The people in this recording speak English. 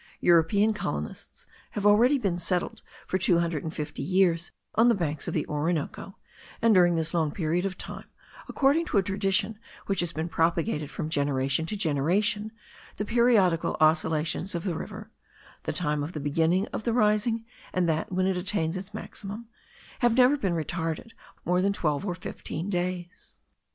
European colonists have already been settled for two hundred and fifty years on the banks of the Orinoco; and during this long period of time, according to a tradition which has been propagated from generation to generation, the periodical oscillations of the river (the time of the beginning of the rising, and that when it attains its maximum) have never been retarded more than twelve or fifteen days.